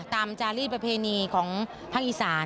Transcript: จารีประเพณีของภาคอีสาน